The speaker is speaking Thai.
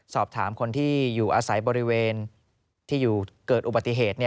สอบถามคนที่อยู่อาศัยบริเวณที่เกิดอุบัติเหตุ